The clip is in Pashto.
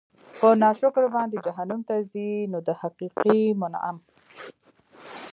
په ناشکر باندي جهنّم ته ځي؛ نو د حقيقي مُنعِم